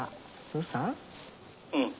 うん。